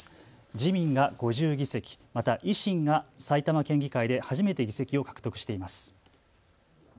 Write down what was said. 自民が５０議席、また維新が埼玉県議会で初めて議席を獲得しています。